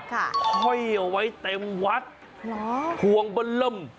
ค่อยเอาไว้เต็มวัดห่วงเบล่ม